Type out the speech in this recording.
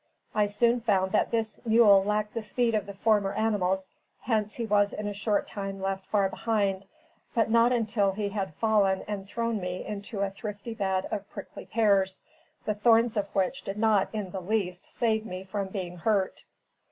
I soon found that this mule lacked the speed of the former animals, hence he was in a short time left far behind, but not until he had fallen and thrown me into a thrifty bed of prickly pears, the thorns of which did not, in the least, save me from being hurt.